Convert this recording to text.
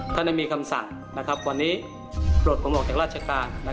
ท่านเนี่ยมีคำสั่งวันนี้ประโหลดประมวงออกจากราชการ